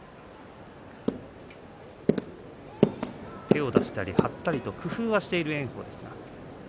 手を出したり張ったりと工夫はしている炎鵬ですが。